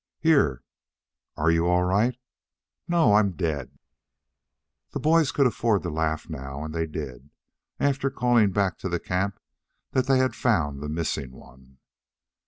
"Here." "Are you all right?" "No, I'm dead." The boys could afford to laugh now, and they did, after calling back to the camp that they had found the missing one.